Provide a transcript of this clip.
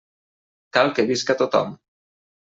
Cal que visca tothom.